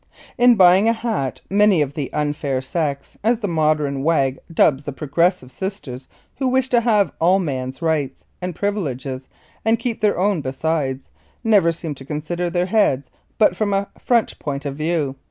In buying a hat many of the "unfair sex" as the modern wag dubs the progressive sisters who wish to have all man's rights and privileges and keep their own besides never seem to consider their heads but from a front point of view.